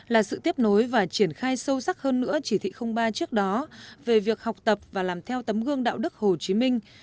là sự tiếp nối và triển khai sâu sắc hơn nữa chỉ thị ba trước đó về việc học tập và làm theo tấm gương đạo đức hồ chí minh